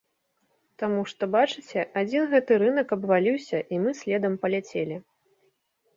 Таму што, бачыце, адзін гэты рынак абваліўся і мы следам паляцелі.